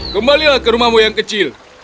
kembalilah ke rumahmu yang kecil